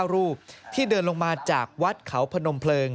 รูปที่เดินลงมาจากวัดเขาพนมเพลิง